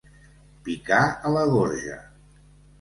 Picar a la gorja.